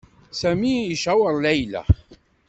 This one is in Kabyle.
Sami i caweṛ Layla.